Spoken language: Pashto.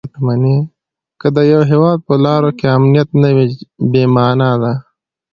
که د یوه هیواد په لارو کې امنیت نه وي بې مانا ده.